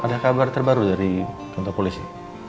ada kabar terbaru dari kantor polisi